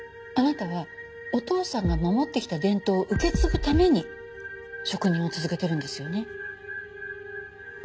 あなたはお父さんが守ってきた伝統を受け継ぐために職人を続けてるんですよね？